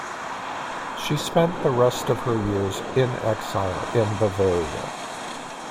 She spent the rest of her years in exile in Bavaria.